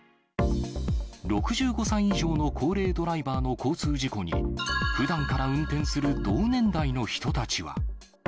６５歳以上の高齢ドライバーの交通事故に、ふだんから運転する同年代の人たちは。